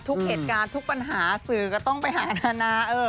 ทุกเหตุการณ์ทุกปัญหาสื่อก็ต้องไปหานานา